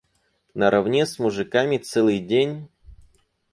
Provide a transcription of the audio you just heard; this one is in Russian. Наравне с мужиками целый день?